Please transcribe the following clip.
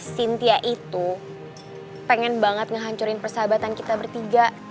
sintia itu pengen banget ngehancurin persahabatan kita bertiga